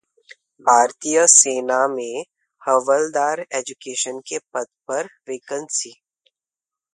भारतीय सेना में हवलदार एजुकेशन के पद पर वैकेंसी